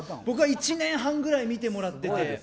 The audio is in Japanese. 僕は１年半ぐらい見てもらってて。